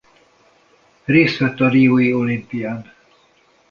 Részt vett a riói olimpián.